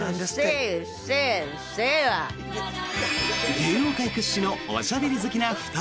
芸能界屈指のおしゃべり好きな２人。